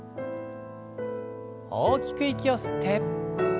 大きく息を吸って。